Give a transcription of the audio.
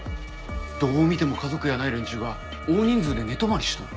どう見ても家族やない連中が大人数で寝泊まりしとる。